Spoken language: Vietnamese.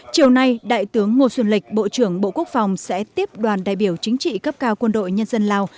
chiều nay đại tướng ngô xuân lịch bộ trưởng bộ quốc phòng sẽ tiếp đoàn đại biểu chính trị cấp cao quân đội nhân dân lào